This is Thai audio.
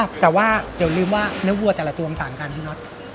อ่ะแต่ว่าเดี๋ยวลืมว่าเนื้อวัวแต่ละตัวต่างกันผู้น็อต